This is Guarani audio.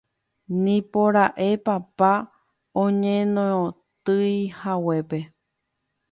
nipora'e papa oñeñotỹhaguépe